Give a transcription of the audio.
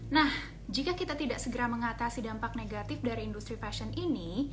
nah jika kita tidak segera mengatasi dampak negatif dari industri fashion ini